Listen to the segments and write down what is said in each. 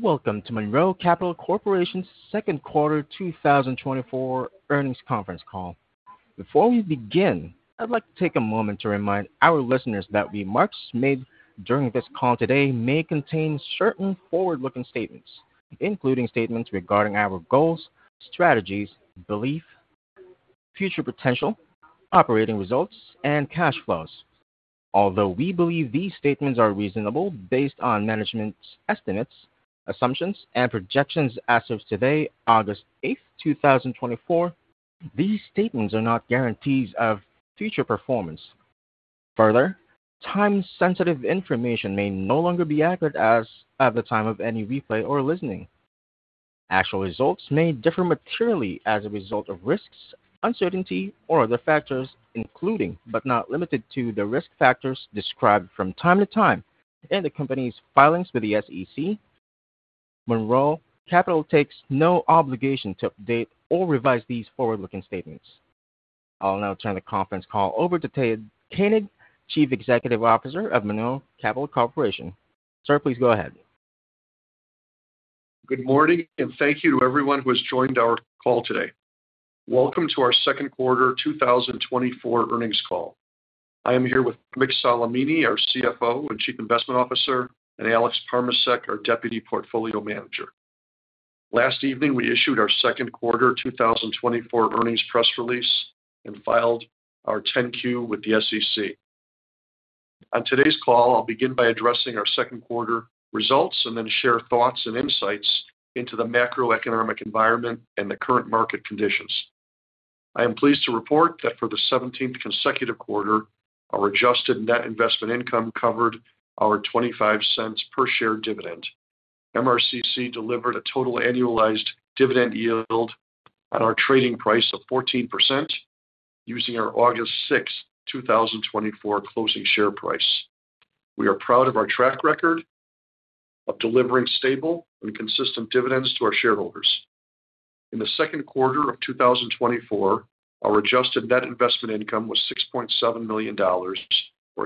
...Welcome to Monroe Capital Corporation's second quarter 2024 earnings conference call. Before we begin, I'd like to take a moment to remind our listeners that remarks made during this call today may contain certain forward-looking statements, including statements regarding our goals, strategies, belief, future potential, operating results, and cash flows. Although we believe these statements are reasonable based on management's estimates, assumptions, and projections as of today, August 8th, 2024, these statements are not guarantees of future performance. Further, time-sensitive information may no longer be accurate as at the time of any replay or listening. Actual results may differ materially as a result of risks, uncertainty, or other factors, including, but not limited to, the risk factors described from time to time in the company's filings with the SEC. Monroe Capital takes no obligation to update or revise these forward-looking statements. I'll now turn the conference call over to Ted Koenig, Chief Executive Officer of Monroe Capital Corporation. Sir, please go ahead. Good morning, and thank you to everyone who has joined our call today. Welcome to our second quarter 2024 earnings call. I am here with Mick Solimene, our CFO and Chief Investment Officer, and Alex Parmacek, our Deputy Portfolio Manager. Last evening, we issued our second quarter 2024 earnings press release and filed our 10-Q with the SEC. On today's call, I'll begin by addressing our second quarter results and then share thoughts and insights into the macroeconomic environment and the current market conditions. I am pleased to report that for the 17th consecutive quarter, our adjusted net investment income covered our $0.25 per share dividend. MRCC delivered a total annualized dividend yield on our trading price of 14%, using our August 6, 2024 closing share price. We are proud of our track record of delivering stable and consistent dividends to our shareholders. In the second quarter of 2024, our adjusted net investment income was $6.7 million, or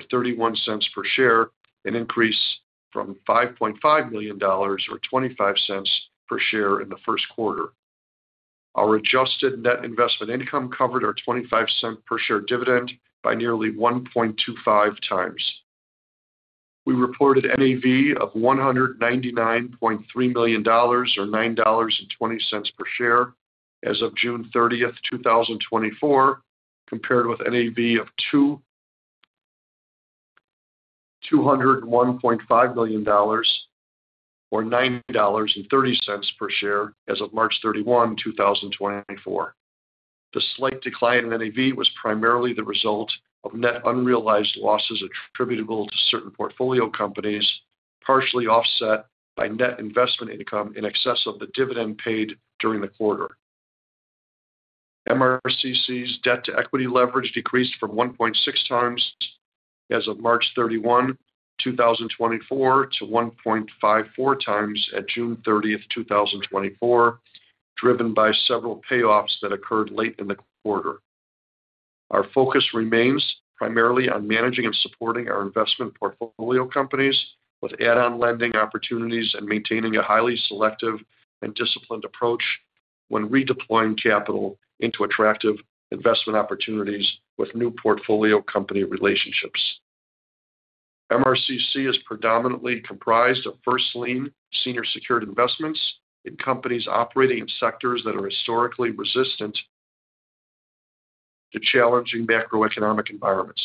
$0.31 per share, an increase from $5.5 million or $0.25 per share in the first quarter. Our adjusted net investment income covered our $0.25 per share dividend by nearly 1.25x. We reported NAV of $199.3 million or $9.20 per share as of June 30th, 2024, compared with NAV of $201.5 million or $9.30 per share as of March 31, 2024. The slight decline in NAV was primarily the result of net unrealized losses attributable to certain portfolio companies, partially offset by net investment income in excess of the dividend paid during the quarter. MRCC's debt-to-equity leverage decreased from 1.6x as of March 31, 2024, to 1.54x at June 30th, 2024, driven by several payoffs that occurred late in the quarter. Our focus remains primarily on managing and supporting our investment portfolio companies with add-on lending opportunities and maintaining a highly selective and disciplined approach when redeploying capital into attractive investment opportunities with new portfolio company relationships. MRCC is predominantly comprised of first lien senior secured investments in companies operating in sectors that are historically resistant to challenging macroeconomic environments.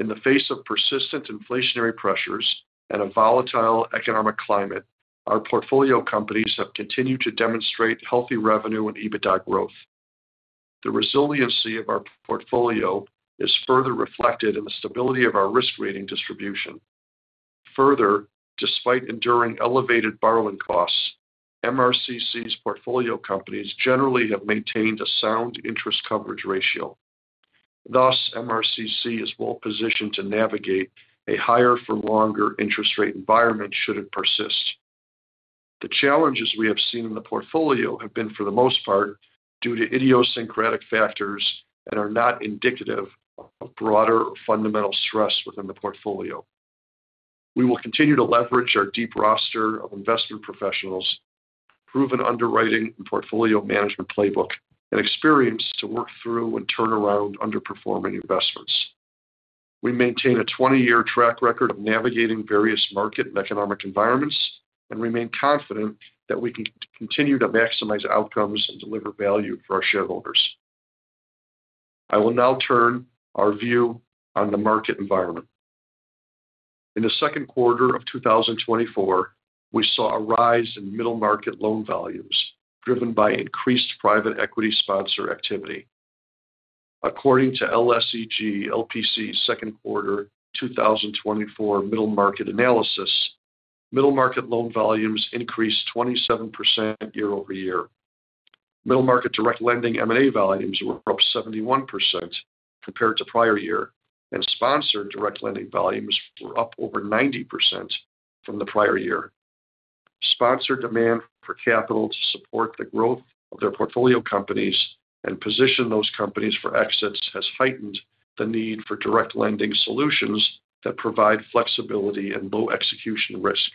In the face of persistent inflationary pressures and a volatile economic climate, our portfolio companies have continued to demonstrate healthy revenue and EBITDA growth. The resiliency of our portfolio is further reflected in the stability of our risk rating distribution. Further, despite enduring elevated borrowing costs, MRCC's portfolio companies generally have maintained a sound interest coverage ratio. Thus, MRCC is well positioned to navigate a higher for longer interest rate environment should it persist. The challenges we have seen in the portfolio have been, for the most part, due to idiosyncratic factors that are not indicative of broader or fundamental stress within the portfolio. We will continue to leverage our deep roster of investment professionals, proven underwriting and portfolio management playbook, and experience to work through and turn around underperforming investments. We maintain a 20-year track record of navigating various market and economic environments and remain confident that we can continue to maximize outcomes and deliver value for our shareholders. I will now turn our view on the market environment. In the second quarter of 2024, we saw a rise in middle market loan volumes, driven by increased private equity sponsor activity. According to LSEG LPC's second quarter 2024 middle market analysis, middle market loan volumes increased 27% year-over-year. Middle market direct lending M&A volumes were up 71% compared to prior year, and sponsored direct lending volumes were up over 90% from the prior year. Sponsored demand for capital to support the growth of their portfolio companies and position those companies for exits has heightened the need for direct lending solutions that provide flexibility and low execution risk.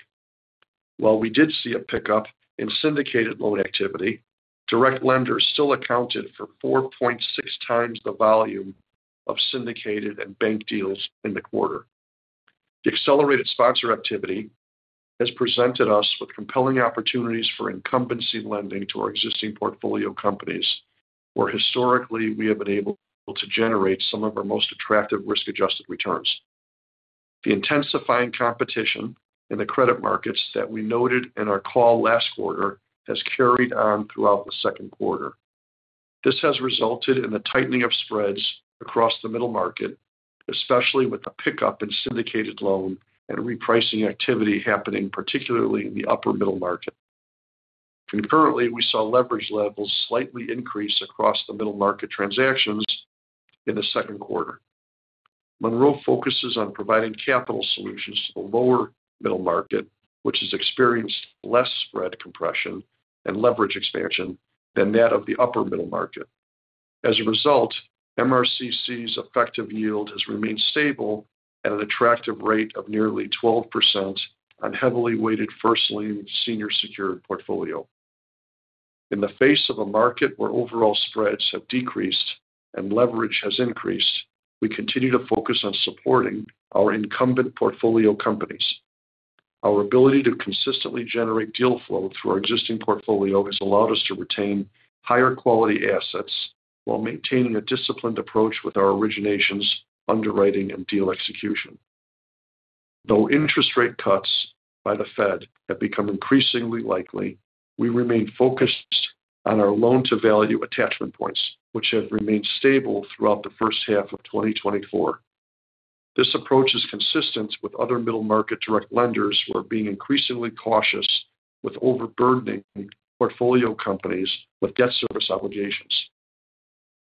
While we did see a pickup in Syndicated Loan activity, direct lenders still accounted for 4.6x the volume of Syndicated and bank deals in the quarter. The accelerated sponsor activity has presented us with compelling opportunities for Incumbency Lending to our existing portfolio companies, where historically we have been able to generate some of our most attractive risk-adjusted returns. The intensifying competition in the credit markets that we noted in our call last quarter has carried on throughout the second quarter. This has resulted in the tightening of spreads across the Middle Market, especially with the pickup in Syndicated Loan and repricing activity happening, particularly in the upper Middle Market. Concurrently, we saw leverage levels slightly increase across the Middle Market transactions in the second quarter. Monroe focuses on providing capital solutions to the lower middle market, which has experienced less spread compression and leverage expansion than that of the upper middle market. As a result, MRCC's effective yield has remained stable at an attractive rate of nearly 12% on heavily weighted first lien, senior secured portfolio. In the face of a market where overall spreads have decreased and leverage has increased, we continue to focus on supporting our incumbent portfolio companies. Our ability to consistently generate deal flow through our existing portfolio has allowed us to retain higher quality assets while maintaining a disciplined approach with our originations, underwriting, and deal execution. Though interest rate cuts by the Fed have become increasingly likely, we remain focused on our loan-to-value attachment points, which have remained stable throughout the first half of 2024. This approach is consistent with other middle-market direct lenders who are being increasingly cautious with overburdening portfolio companies with debt service obligations.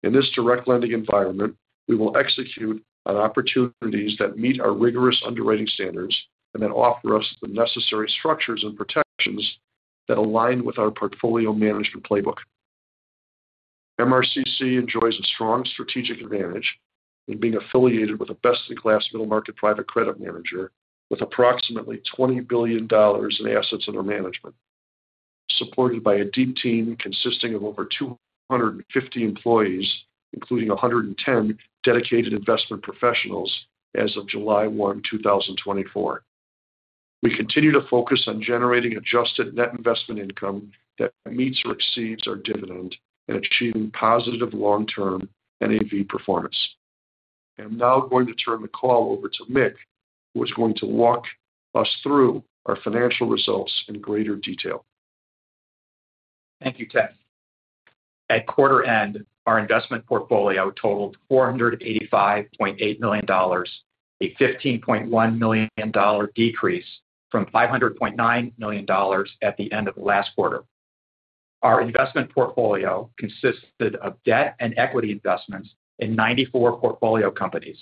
In this direct lending environment, we will execute on opportunities that meet our rigorous underwriting standards and that offer us the necessary structures and protections that align with our portfolio management playbook. MRCC enjoys a strong strategic advantage in being affiliated with a best-in-class middle-market private credit manager with approximately $20 billion in assets under management, supported by a deep team consisting of over 250 employees, including 110 dedicated investment professionals as of July 1, 2024. We continue to focus on generating Adjusted Net Investment Income that meets or exceeds our dividend and achieving positive long-term NAV performance. I'm now going to turn the call over to Mick, who is going to walk us through our financial results in greater detail. Thank you, Ted. At quarter end, our investment portfolio totaled $485.8 million, a $15.1 million decrease from $500.9 million at the end of last quarter. Our investment portfolio consisted of debt and equity investments in 94 portfolio companies,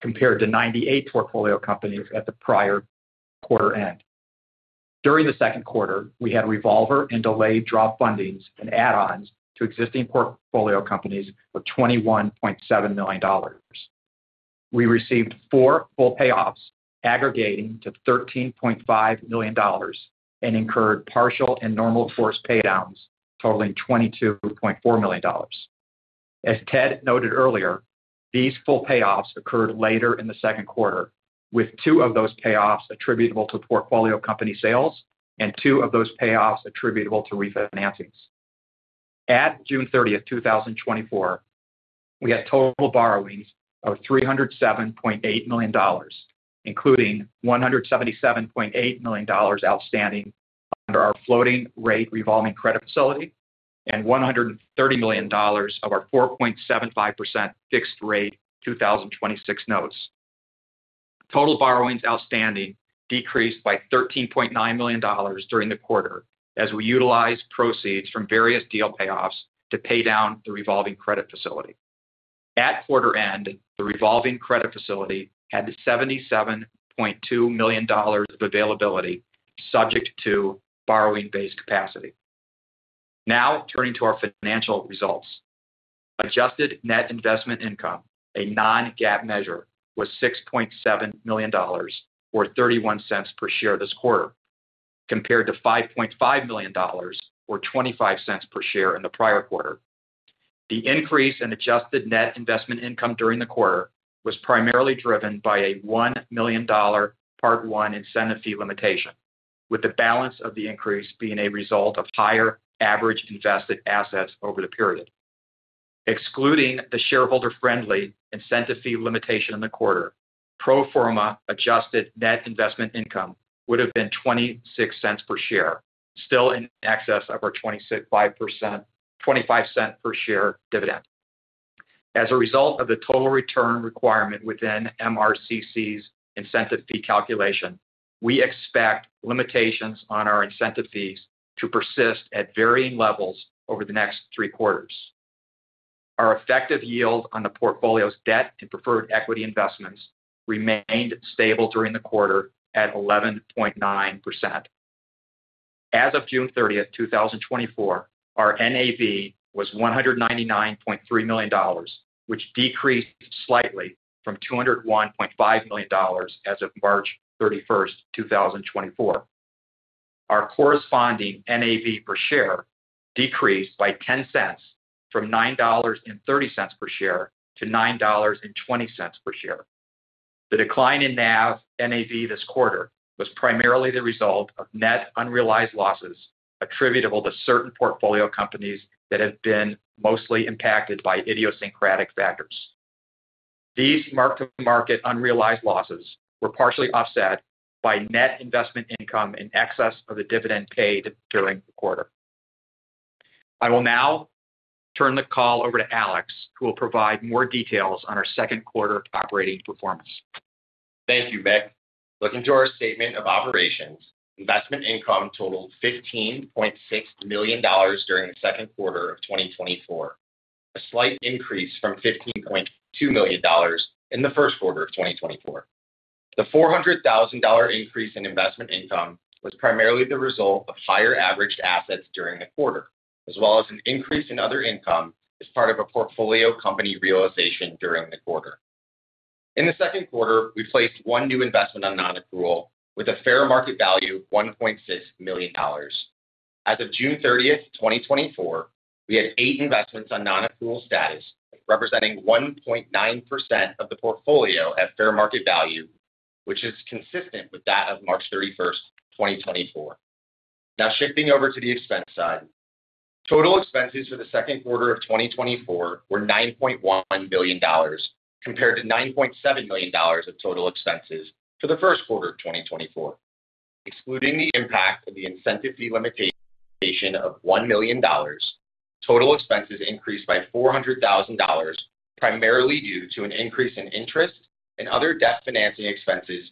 compared to 98 portfolio companies at the prior quarter end. During the second quarter, we had revolver and delayed draw fundings and add-ons to existing portfolio companies of $21.7 million. We received four full payoffs, aggregating to $13.5 million, and incurred partial and normal course paydowns totaling $22.4 million. As Ted noted earlier, these full payoffs occurred later in the second quarter, with two of those payoffs attributable to portfolio company sales and two of those payoffs attributable to refinancings. At June 30th, 2024, we had total borrowings of $307.8 million, including $177.8 million outstanding under our floating rate revolving credit facility and $130 million of our 4.75% fixed-rate 2026 Notes. Total borrowings outstanding decreased by $13.9 million during the quarter as we utilized proceeds from various deal payoffs to pay down the revolving credit facility. At quarter end, the revolving credit facility had $77.2 million of availability, subject to borrowing base capacity. Now, turning to our financial results. Adjusted net investment income, a non-GAAP measure, was $6.7 million, or $0.31 per share this quarter, compared to $5.5 million, or $0.25 per share in the prior quarter. The increase in adjusted net investment income during the quarter was primarily driven by a $1 million Part I incentive fee limitation, with the balance of the increase being a result of higher average invested assets over the period. Excluding the shareholder-friendly incentive fee limitation in the quarter, pro forma adjusted net investment income would have been $0.26 per share, still in excess of our $0.25 per share dividend. As a result of the total return requirement within MRCC's incentive fee calculation, we expect limitations on our incentive fees to persist at varying levels over the next three quarters. Our effective yield on the portfolio's debt and preferred equity investments remained stable during the quarter at 11.9%.... As of June 30th, 2024, our NAV was $199.3 million, which decreased slightly from $201.5 million as of March 31, 2024. Our corresponding NAV per share decreased by $0.10 from $9.30 per share to $9.20 per share. The decline in NAV, NAV this quarter was primarily the result of net unrealized losses attributable to certain portfolio companies that have been mostly impacted by idiosyncratic factors. These mark-to-market unrealized losses were partially offset by net investment income in excess of the dividend paid during the quarter. I will now turn the call over to Alex, who will provide more details on our second quarter operating performance. Thank you, Mick. Looking to our statement of operations, investment income totaled $15.6 million during the second quarter of 2024, a slight increase from $15.2 million in the first quarter of 2024. The $400,000 increase in investment income was primarily the result of higher average assets during the quarter, as well as an increase in other income as part of a portfolio company realization during the quarter. In the second quarter, we placed one new investment on non-accrual with a fair market value of $1.6 million. As of June 30th, 2024, we had eight investments on non-accrual status, representing 1.9% of the portfolio at fair market value, which is consistent with that of March 31st, 2024. Now, shifting over to the expense side. Total expenses for the second quarter of 2024 were $9.1 billion, compared to $9.7 million of total expenses for the first quarter of 2024. Excluding the impact of the incentive fee limitation of $1 million, total expenses increased by $400,000, primarily due to an increase in interest and other debt financing expenses,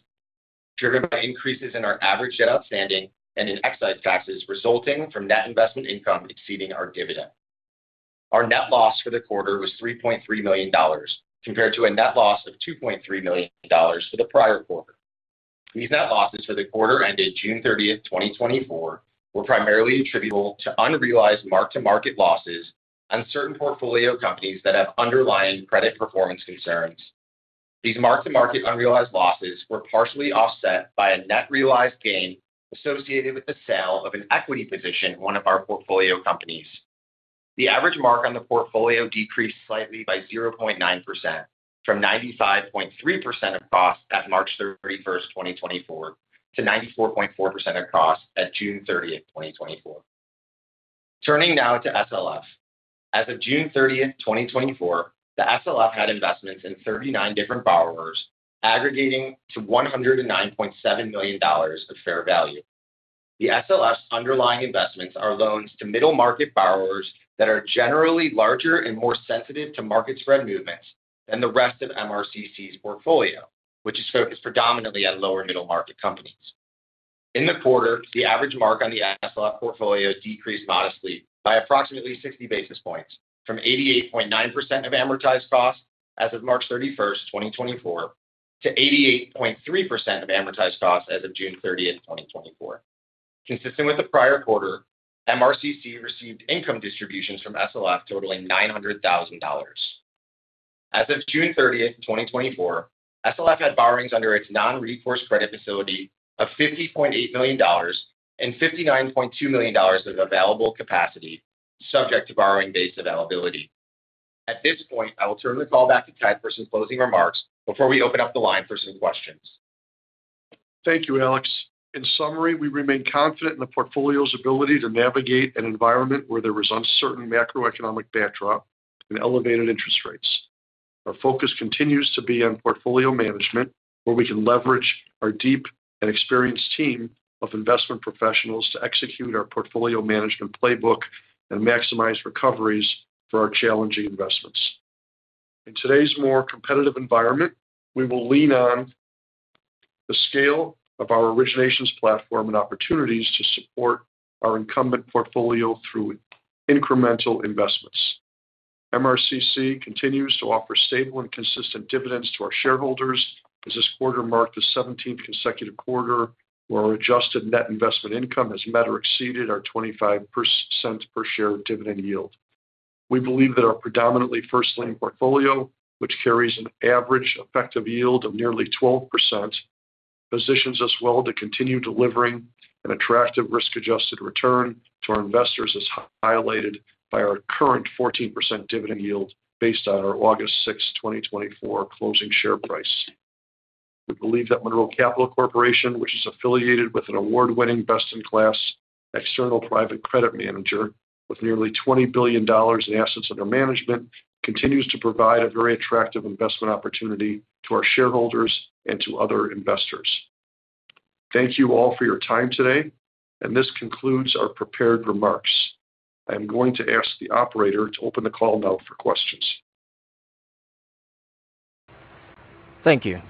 driven by increases in our average debt outstanding and in excise taxes resulting from net investment income exceeding our dividend. Our net loss for the quarter was $3.3 million, compared to a net loss of $2.3 million for the prior quarter. These net losses for the quarter ended June 30th, 2024, were primarily attributable to unrealized mark-to-market losses on certain portfolio companies that have underlying credit performance concerns. These mark-to-market unrealized losses were partially offset by a net realized gain associated with the sale of an equity position in one of our portfolio companies. The average mark on the portfolio decreased slightly by 0.9%, from 95.3% of cost at March 31st, 2024, to 94.4% of cost at June 30th, 2024. Turning now to SLF. As of June 30th, 2024, the SLF had investments in 39 different borrowers, aggregating to $109.7 million of fair value. The SLF's underlying investments are loans to middle-market borrowers that are generally larger and more sensitive to market spread movements than the rest of MRCC's portfolio, which is focused predominantly on lower middle-market companies. In the quarter, the average mark on the SLF portfolio decreased modestly by approximately 60 basis points, from 88.9% of amortized cost as of March 31st, 2024, to 88.3% of amortized cost as of June 30th, 2024. Consistent with the prior quarter, MRCC received income distributions from SLF totaling $900,000. As of June 30th, 2024, SLF had borrowings under its non-recourse credit facility of $50.8 million and $59.2 million of available capacity, subject to borrowing base availability. At this point, I will turn the call back to Ted for some closing remarks before we open up the line for some questions. Thank you, Alex. In summary, we remain confident in the portfolio's ability to navigate an environment where there is uncertain macroeconomic backdrop and elevated interest rates. Our focus continues to be on portfolio management, where we can leverage our deep and experienced team of investment professionals to execute our portfolio management playbook and maximize recoveries for our challenging investments. In today's more competitive environment, we will lean on the scale of our originations platform and opportunities to support our incumbent portfolio through incremental investments. MRCC continues to offer stable and consistent dividends to our shareholders, as this quarter marked the seventeenth consecutive quarter where our adjusted net investment income has met or exceeded our 25% per share dividend yield. We believe that our predominantly first lien portfolio, which carries an average effective yield of nearly 12%, positions us well to continue delivering an attractive risk-adjusted return to our investors, as highlighted by our current 14% dividend yield based on our August 6th, 2024, closing share price. We believe that Monroe Capital Corporation, which is affiliated with an award-winning, best-in-class external private credit manager with nearly $20 billion in assets under management, continues to provide a very attractive investment opportunity to our shareholders and to other investors. Thank you all for your time today, and this concludes our prepared remarks. I'm going to ask the operator to open the call now for questions. Thank you.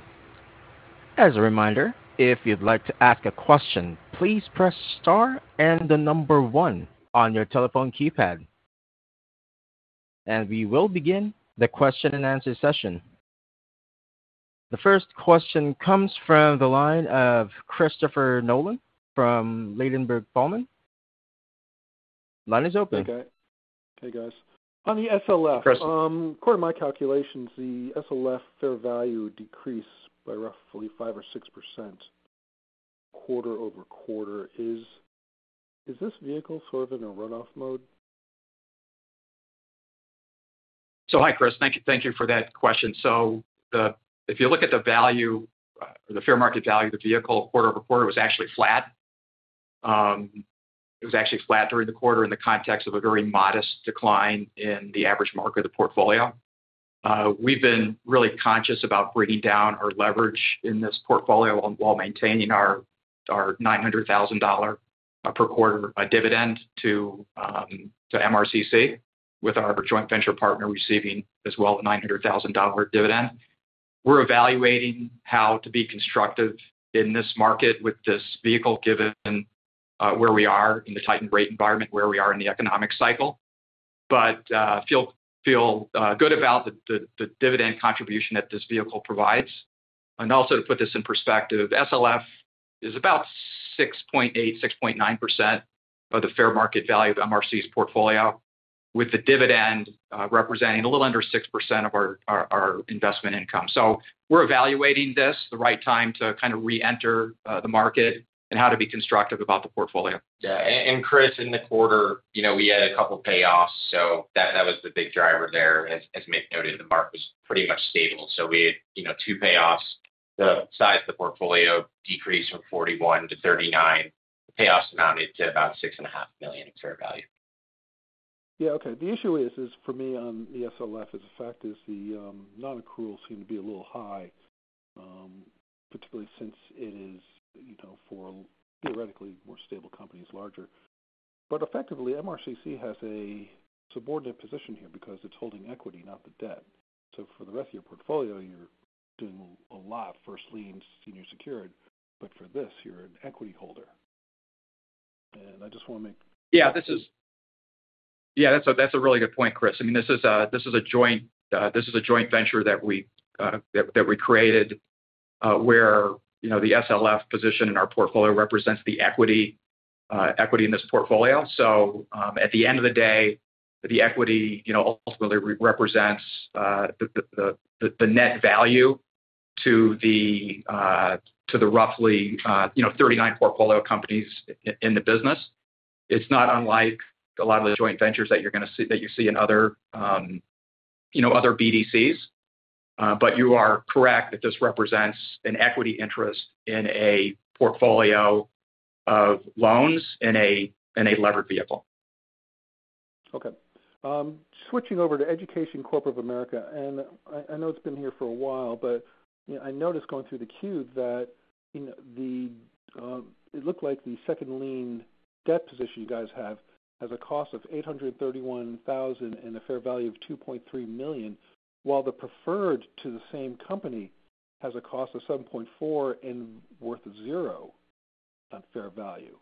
As a reminder, if you'd like to ask a question, please press star and the number one on your telephone keypad... We will begin the question and answer session. The first question comes from the line of Christopher Nolan from Ladenburg Thalmann. Line is open. Hey, guy. Hey, guys. On the SLF- Chris. According to my calculations, the SLF fair value decreased by roughly 5%-6% quarter-over-quarter. Is this vehicle sort of in a runoff mode? So hi, Chris. Thank you, thank you for that question. So if you look at the value, the fair market value of the vehicle, quarter-over-quarter, was actually flat. It was actually flat during the quarter in the context of a very modest decline in the average mark of the portfolio. We've been really conscious about bringing down our leverage in this portfolio, while maintaining our $900,000 per quarter dividend to MRCC, with our joint venture partner receiving as well, a $900,000 dividend. We're evaluating how to be constructive in this market with this vehicle, given where we are in the tightened rate environment, where we are in the economic cycle. But feel good about the dividend contribution that this vehicle provides. And also, to put this in perspective, SLF is about 6.8-6.9% of the fair market value of MRCC's portfolio, with the dividend representing a little under 6% of our investment income. So we're evaluating this, the right time to kind of reenter the market and how to be constructive about the portfolio. Yeah. And Chris, in the quarter, you know, we had a couple payoffs, so that was the big driver there. As Mick noted, the market was pretty much stable. So we had, you know, two payoffs. The size of the portfolio decreased from 41 to 39. The payoffs amounted to about $6.5 million in fair value. Yeah, okay. The issue is for me on the SLF, the fact is the non-accrual seems to be a little high, particularly since it is, you know, for theoretically more stable companies, larger. But effectively, MRCC has a subordinate position here because it's holding equity, not the debt. So for the rest of your portfolio, you're doing a lot first lien, senior secured, but for this, you're an equity holder. And I just want to make- Yeah, that's a really good point, Chris. I mean, this is a joint venture that we created, where, you know, the SLF position in our portfolio represents the equity in this portfolio. So, at the end of the day, the equity, you know, ultimately represents the net value to the roughly 39 portfolio companies in the business. It's not unlike a lot of the joint ventures that you see in other BDCs. But you are correct that this represents an equity interest in a portfolio of loans in a levered vehicle. Okay. Switching over to Education Corporation of America, and I know it's been here for a while, but, you know, I noticed going through the Q that, you know, it looked like the second lien debt position you guys have has a cost of $831,000 and a fair value of $2.3 million, while the preferred to the same company has a cost of $7.4 million and worth $0 on fair value.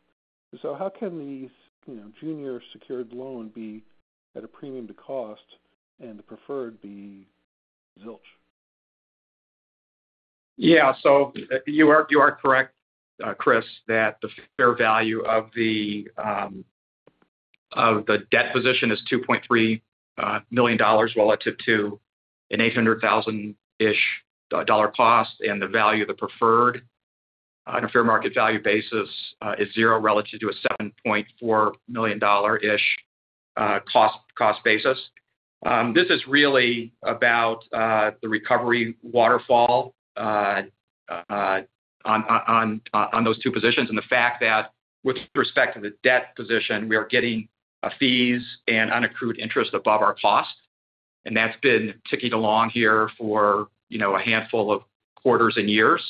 So how can these, you know, junior secured loan be at a premium to cost and the preferred be zilch? Yeah, so you are, you are correct, Chris, that the fair value of the debt position is $2.3 million, relative to an $800,000-ish cost, and the value of the preferred on a fair market value basis is zero, relative to a $7.4 million-ish cost basis. This is really about the recovery waterfall on those two positions, and the fact that with respect to the debt position, we are getting fees and unaccrued interest above our cost, and that's been ticking along here for, you know, a handful of quarters and years.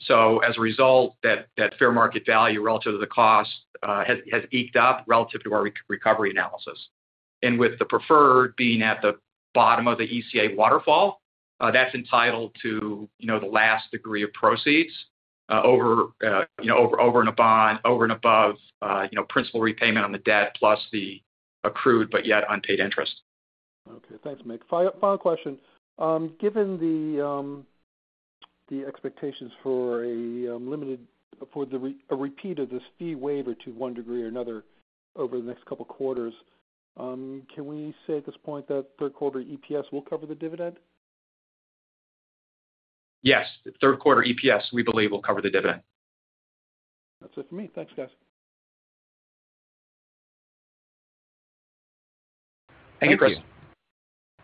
So as a result, that fair market value relative to the cost has eked up relative to our recovery analysis. With the preferred being at the bottom of the ECA waterfall, that's entitled to, you know, the last degree of proceeds over and above, you know, principal repayment on the debt, plus the accrued, but yet unpaid interest. Okay. Thanks, Mick. Final question. Given the expectations for a limited repeat of this fee waiver to one degree or another over the next couple of quarters, can we say at this point that third quarter EPS will cover the dividend? Yes. Third quarter EPS, we believe, will cover the dividend. That's it for me. Thanks, guys. Thank you, Chris. Thank you.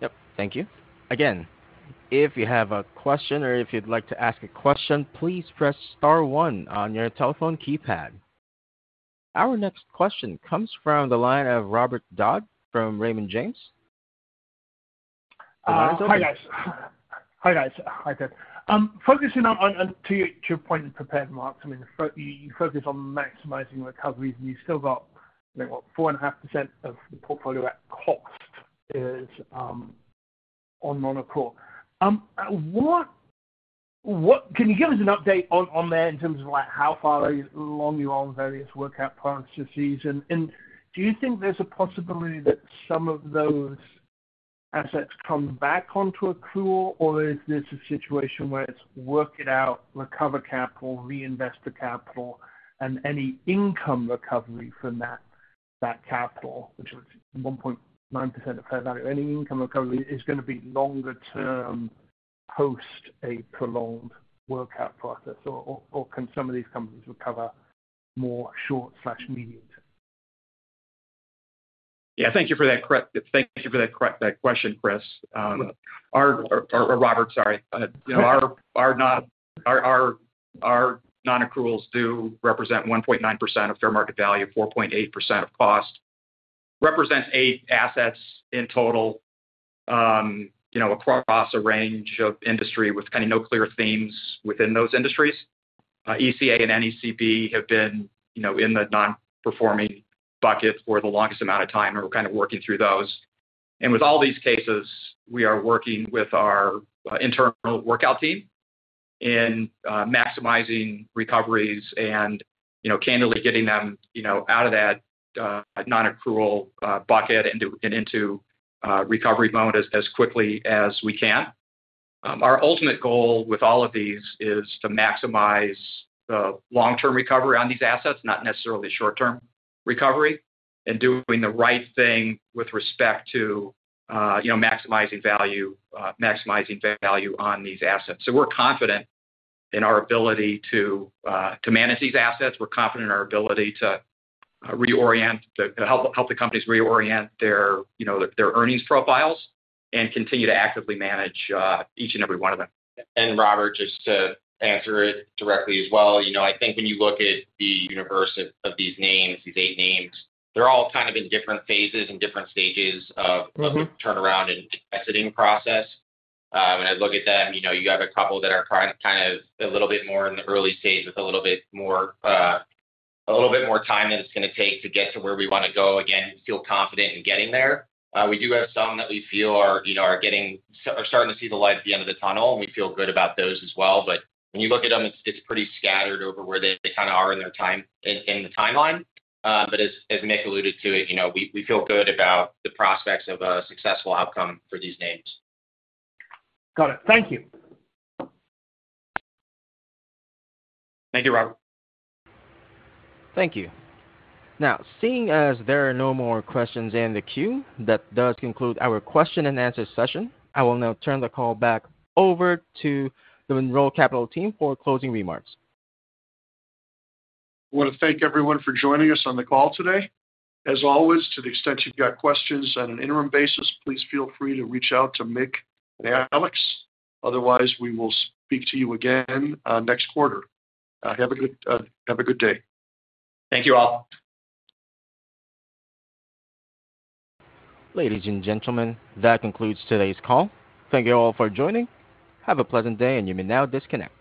Yep, thank you. Again, if you have a question or if you'd like to ask a question, please press star one on your telephone keypad. Our next question comes from the line of Robert Dodd, from Raymond James. The line is open. Hi, guys. Hi, guys. Hi, good. Focusing on to your point of prepared remarks, I mean, you focus on maximizing recoveries, and you've still got, you know, what? 4.5% of the portfolio at cost is on non-accrual. What-- can you give us an update on that in terms of, like, how far along you are on various workout processes? And do you think there's a possibility that some of those assets come back onto accrue, or is this a situation where it's work it out, recover capital, reinvest the capital, and any income recovery from that capital, which was 1.9% of fair value, any income recovery is gonna be longer term, post a prolonged workout process, or can some of these companies recover more short/medium term? Yeah, thank you for that correction, that question, Chris. Or Robert, sorry. You know, our non-accruals do represent 1.9% of fair market value, 4.8% of cost. Represents eight assets in total, you know, across a range of industry with kind of no clear themes within those industries. ECA and NECB have been, you know, in the non-performing bucket for the longest amount of time, and we're kind of working through those. And with all these cases, we are working with our internal workout team in maximizing recoveries and, you know, candidly getting them, you know, out of that non-accrual bucket into recovery mode as quickly as we can. Our ultimate goal with all of these is to maximize the long-term recovery on these assets, not necessarily short-term recovery, and doing the right thing with respect to, you know, maximizing value, maximizing value on these assets. So we're confident in our ability to manage these assets. We're confident in our ability to reorient, to help the companies reorient their, you know, their earnings profiles and continue to actively manage each and every one of them. And Robert, just to answer it directly as well. You know, I think when you look at the universe of these names, these eight names, they're all kind of in different phases and different stages of- Mm-hmm... of turnaround and investing process. When I look at them, you know, you have a couple that are kind of a little bit more in the early stage with a little bit more time than it's gonna take to get to where we wanna go. Again, we feel confident in getting there. We do have some that we feel are, you know, starting to see the light at the end of the tunnel, and we feel good about those as well. But when you look at them, it's pretty scattered over where they kind of are in their time, in the timeline. But as Mick alluded to it, you know, we feel good about the prospects of a successful outcome for these names. Got it. Thank you. Thank you, Robert. Thank you. Now, seeing as there are no more questions in the queue, that does conclude our question and answer session. I will now turn the call back over to the Monroe Capital team for closing remarks. I wanna thank everyone for joining us on the call today. As always, to the extent you've got questions on an interim basis, please feel free to reach out to Mick and Alex. Otherwise, we will speak to you again next quarter. Have a good day. Thank you, all. Ladies and gentlemen, that concludes today's call. Thank you all for joining. Have a pleasant day, and you may now disconnect.